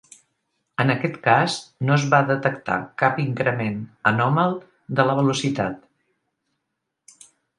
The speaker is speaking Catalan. En aquest cas no es va detectar cap increment anòmal de la velocitat.